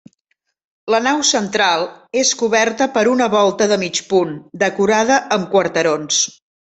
La nau central és coberta per una volta de mig punt, decorada amb quarterons.